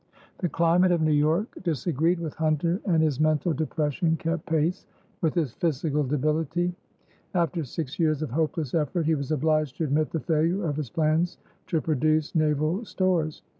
The climate of New York disagreed with Hunter, and his mental depression kept pace with his physical debility. After six years of hopeless effort, he was obliged to admit the failure of his plans to produce naval stores.